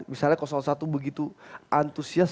misalnya satu begitu antusias